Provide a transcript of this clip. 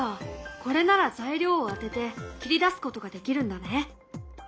これなら材料を当てて切り出すことができるんだね。